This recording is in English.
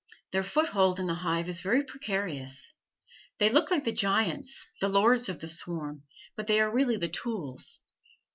Their foothold in the hive is very precarious. They look like the giants, the lords of the swarm, but they are really the tools.